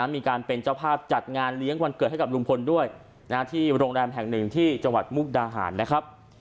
มีการเป็นเจ้าภาพจัดงานเลี้ยงวันเกิดให้กับลุงพลด้วยที่โรงแรมแห่งหนึ่งที่จังหวัดมุกดาหารนะครับ